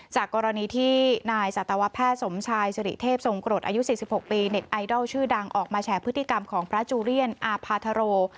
จากกรณีที่นายสัตวแพทย์สมชายสิริเทพทรงกรดอายุ๔๖ปีเน็ตไอดอลชื่อดังออกมาแชร์พฤติกรรมของพระจูเรียนอาภาทโร